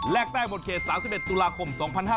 แลกแป้งบทเขต๓๑ตุลาคม๒๕๖๖